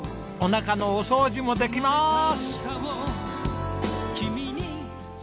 おなかのお掃除もできまーす！